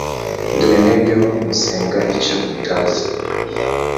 Dore mwebweho musenga icyo mutazi